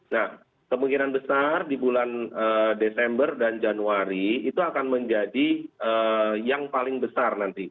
nah kemungkinan besar di bulan desember dan januari itu akan menjadi yang paling besar nanti